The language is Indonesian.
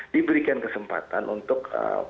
diberikan kesempatan untuk